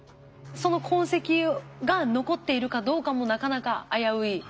その痕跡が残っているかどうかもなかなか危うい。